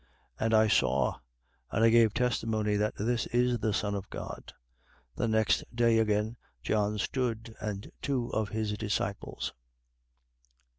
1:34. And I saw: and I gave testimony that this is the Son of God. 1:35. The next day again John stood and two of his disciples.